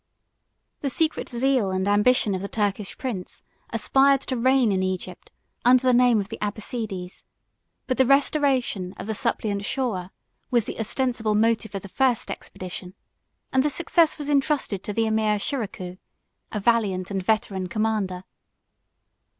The secret zeal and ambition of the Turkish prince aspired to reign in Egypt under the name of the Abbassides; but the restoration of the suppliant Shawer was the ostensible motive of the first expedition; and the success was intrusted to the emir Shiracouh, a valiant and veteran commander.